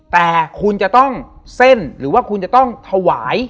แต่คุณจะต้องเส้นหรือว่าคุณจะต้องถวาย